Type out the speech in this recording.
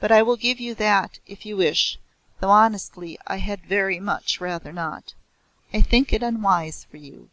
But I will give you that, if you wish, though, honestly, I had very much rather not. I think it unwise for you.